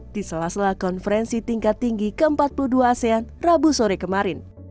di sela sela konferensi tingkat tinggi ke empat puluh dua asean rabu sore kemarin